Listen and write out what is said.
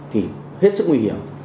thì hết sức nguy hiểm